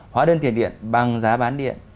hóa đơn tiền điện bằng giá bán điện